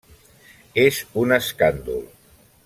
És un escàndol.